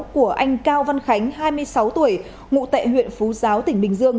của anh cao văn khánh hai mươi sáu tuổi ngụ tại huyện phú giáo tỉnh bình dương